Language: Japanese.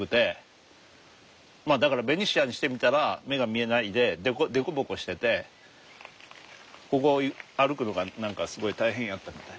まあだからベニシアにしてみたら目が見えないで凸凹しててここ歩くのが何かすごい大変やったみたい。